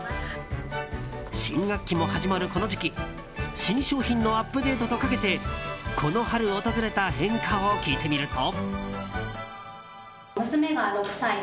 新学期も始まる、この時期新商品のアップデートと掛けてこの春、訪れた変化を聞いてみると。